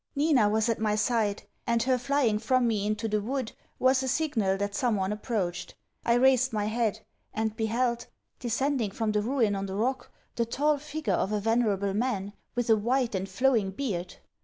Nina was at my side and her flying from me into the wood, was a signal that some one approached. I raised my head; and beheld, descending from the Ruin on the Rock, the tall figure of a venerable man, with a white and flowing beard.